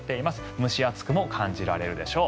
蒸し暑くも感じられるでしょう。